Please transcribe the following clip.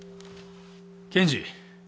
検事